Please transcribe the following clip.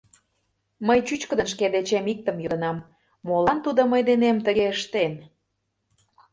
Мый чӱчкыдын шке дечем иктым йодынам: молан тудо мый денем тыге ыштен?